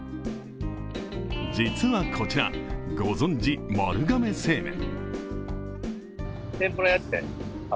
実はこちら、ご存じ、丸亀製麺。